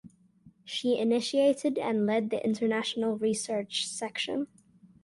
She initiated and led the international research section.